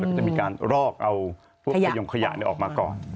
และมีการลอกเอาพวกขยะนี่ออกมาก่อน